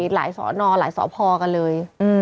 หลายสรนหลายสรพกันเลย